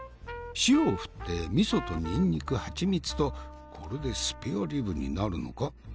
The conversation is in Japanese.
塩を振って味噌とにんにくはちみつとこれでスペアリブになるのか？